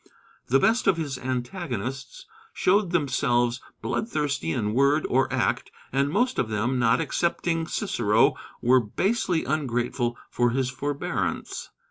The best of his antagonists showed themselves bloodthirsty in word or act; and most of them, not excepting Cicero, were basely ungrateful for his forbearance.